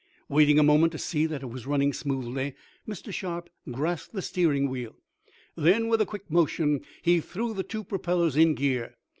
Waiting a moment to see that it was running smoothly, Mr. Sharp grasped the steering wheel. Then, with a quick motion he threw the two propellers in gear.